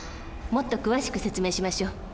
もっと詳しく説明しましょう。